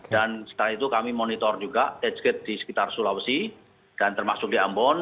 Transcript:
dan setelah itu kami monitor juga touchgate di sekitar sulawesi dan termasuk di ambon